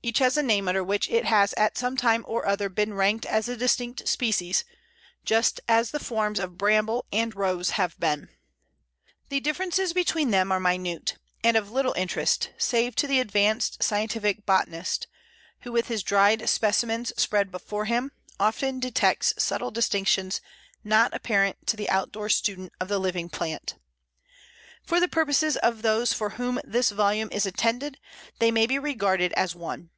Each has a name under which it has at some time or other been ranked as a distinct species, just as the forms of Bramble and Rose have been. The differences between them are minute, and of little interest save to the advanced scientific botanist, who with his dried specimens spread before him often detects subtle distinctions not apparent to the outdoor student of the living plant. For the purposes of those for whom this volume is intended they may be regarded as one.